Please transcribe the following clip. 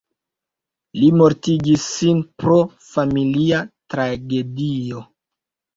Li mortigis sin pro familia tragedio.